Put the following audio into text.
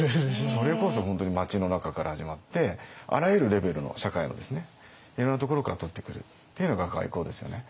それこそ本当に街の中から始まってあらゆるレベルの社会のいろんなところからとってくるっていうのが外交ですよね。